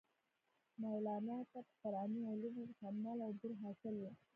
مولانا ته پۀ قرآني علومو مکمل عبور حاصل وو